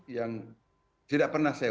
yang tidak pernah saya